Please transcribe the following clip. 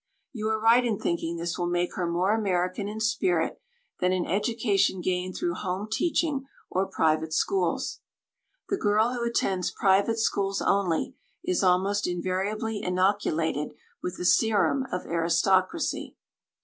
You are right in thinking this will make her more American in spirit than an education gained through home teaching or private schools. The girl who attends private schools only, is almost invariably inoculated with the serum of aristocracy.